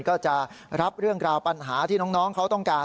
ก็จะรับเรื่องราวปัญหาที่น้องเขาต้องการ